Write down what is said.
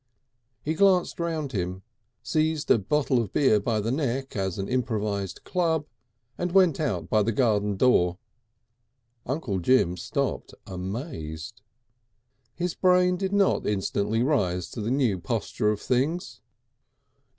He glanced round him, seized a bottle of beer by the neck as an improvised club, and went out by the garden door. Uncle Jim stopped amazed. His brain did not instantly rise to the new posture of things.